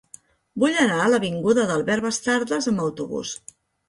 Vull anar a l'avinguda d'Albert Bastardas amb autobús.